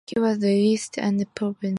He was released and pardoned.